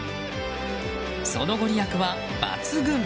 そのご利益は、抜群。